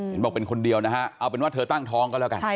เห็นบอกเป็นคนเดียวนะฮะเอาเป็นว่าเธอตั้งท้องก็แล้วกัน